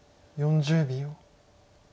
４０秒。